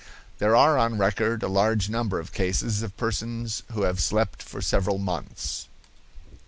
There are on record a large number of cases of persons who have slept for several months.